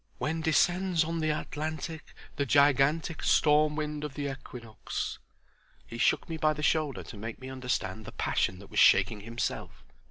"'When descends on the Atlantic The gigantic Storm wind of the Equinox.'" He shook me by the shoulder to make me understand the passion that was shaking himself.